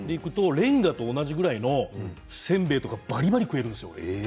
レンガと同じくらいのせんべいとか、ばりばり食えるんですよ。